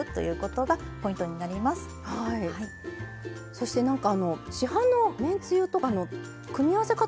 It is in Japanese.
そして何か市販のめんつゆとかの組み合わせ方も。